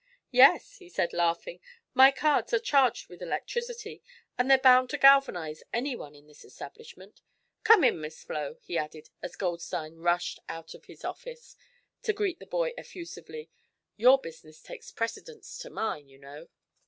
"Yes," he said, laughing, "my cards are charged with electricity, and they're bound to galvanize anyone in this establishment. Come in, Miss Flo," he added, as Goldstein rushed out of his office to greet the boy effusively; "your business takes precedence to mine, you know."